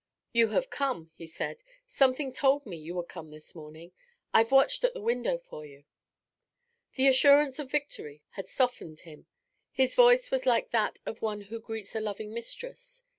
'You have come,' he said. 'Something told me you would come this morning. I've watched at the window for you.' The assurance of victory had softened him. His voice was like that of one who greets a loving mistress.